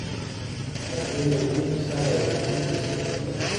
د دوی د مینې کیسه د یادونه په څېر تلله.